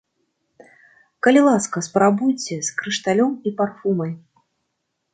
Калі ласка, спрабуйце, з крышталём і парфумай.